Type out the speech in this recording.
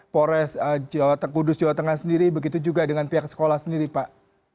pores jawa tengah kudus jawa tengah sendiri begitu juga dengan pihak sekolah sendiri pak